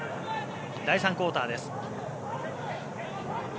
第３クオーターです。